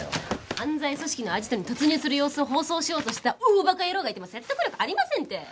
犯罪組織のアジトに突入する様子を放送しようとしてた大バカ野郎が言っても説得力ありませんって！